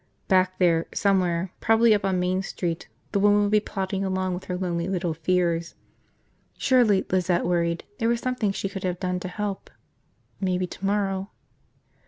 Back there, somewhere, probably up on Main Street, the woman would be plodding along with her lonely little fears. Surely, Lizette worried, there was something she could have done to help. Maybe tomorrow